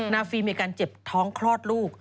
ฟีมีอาการเจ็บท้องคลอดลูก